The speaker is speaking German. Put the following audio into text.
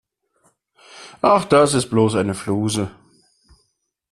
Ach, das ist bloß eine Fluse.